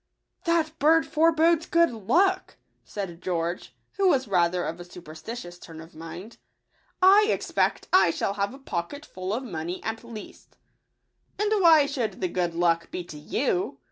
" That bird forebodes good luck," said George, who was rather of a superstitious turn of mind ;" I expect I shall have a poc ketful of money at least!" " And why should the good luck be to you